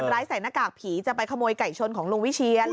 ใส่หน้ากากผีจะไปขโมยไก่ชนของลุงวิเชียน